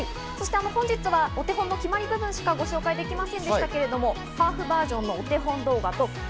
本日はお手本の決まり部分しかご紹介できませんでしたが、ハーフｖｅｒ．のお手本動画とダ